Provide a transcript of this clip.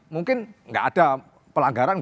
mungkin nggak ada pelanggaran